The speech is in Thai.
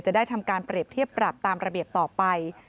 ได้ทำการเปรียบเทียบปรับตามระเบียบต่อไป